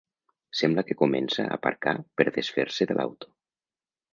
Sembla que comença a aparcar per desfer-se de l'auto.